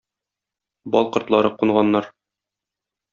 Бал кортлары кунганнар.